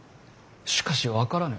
しかし分からぬ。